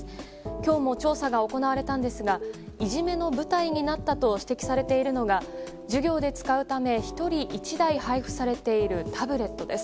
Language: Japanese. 今日も調査が行われたんですがいじめの舞台になったと指摘されているのが授業で使うため、１人１台配布されているタブレットです。